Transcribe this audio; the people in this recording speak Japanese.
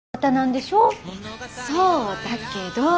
そうだけど。